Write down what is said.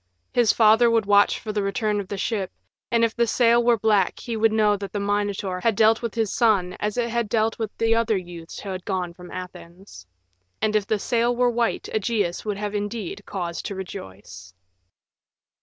His father would watch for the return of the ship, and if the sail were black he would know that the Minotaur had dealt with his son as it had dealt with the other youths who had gone from Athens. And if the sail were white Ægeus would have indeed cause to rejoice.